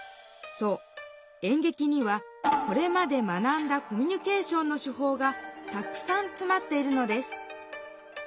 そう演劇にはこれまで学んだコミュニケーションの手法がたくさんつまっているのです